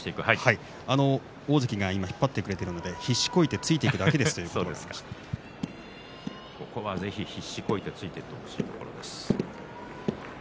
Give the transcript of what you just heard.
大関が引っ張ってくれているので必死こいてついていくだけですとここは必死こいてついていってもらいたいですね。